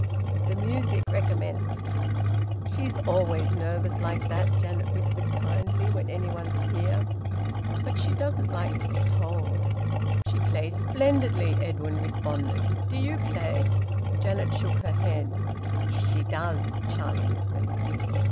The music recommenced. "She's always nervous like that," Janet whispered kindly, "when any one's here. But she doesn't like to be told." "She plays splendidly," Edwin responded. "Do you play?" Janet shook her head. "Yes, she does," Charlie whispered.